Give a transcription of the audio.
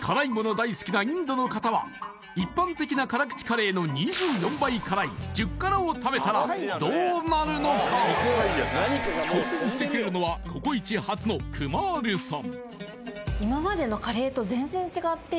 大好きなインドの方は一般的な辛口カレーの２４倍辛い１０辛を食べたらどうなるのか挑戦してくれるのはココイチ初のクマールさん